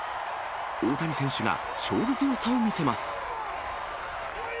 大谷選手が勝負強さを見せます。